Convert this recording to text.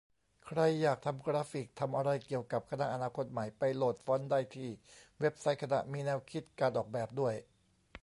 ใครอยากทำกราฟิก ทำอะไรเกี่ยวกับ คณะอนาคตใหม่ ไปโหลดฟอนต์ได้ที่เว็บไซต์คณะ มีแนวคิดการออกแบบด้วย